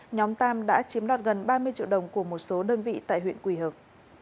nhóm tam đã chiếm đoạt gần ba mươi triệu đồng của một số đơn vị tại huyện quỳ hợp